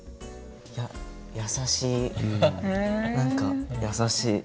優しい何か優しい。